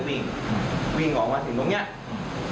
พอวิ่งตามมาเขาบอกวิ่งวิ่งแล้วผมก็ไม่ได้ดูครับ